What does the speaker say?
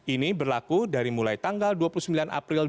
ini berlaku dari mulai tanggal dua puluh sembilan april